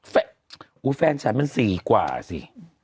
แฟนฉันมัน๔กว่าสิ